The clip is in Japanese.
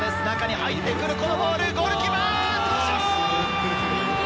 中に入ってくるこのボール！